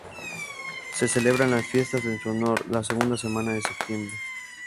Se celebran las fiestas en su honor la segunda semana de septiembre.